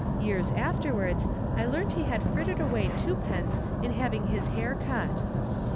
Years afterwards I learnt he had frittered away two pence in having his hair cut."